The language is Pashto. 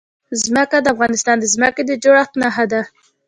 ځمکه د افغانستان د ځمکې د جوړښت نښه ده.